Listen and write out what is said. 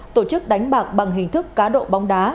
tổ chức đánh bạc bằng hình thức cá độ bóng đá